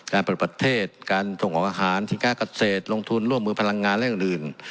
การปรับประเทศการส่งออกอาหารชิ้นค้ากัศเศษลงทุนร่วมมือพลังงานและอื่นอื่น